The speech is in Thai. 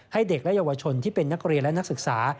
เด็กและเยาวชนที่เป็นนักเรียนและนักศึกษา